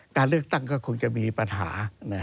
การเลือกตั้งก็คงจะมีปัญหา